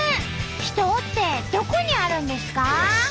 秘湯ってどこにあるんですか？